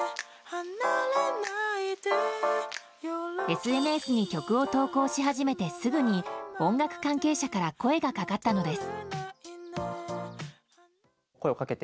ＳＮＳに曲を投稿し始めてすぐに音楽関係者から声がかかったのです。